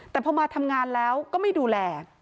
แต่พอมาทำงานแล้วก็ไม่ดูแล